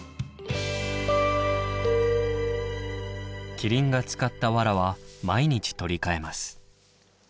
キリンが使ったわらは毎日取り替えます。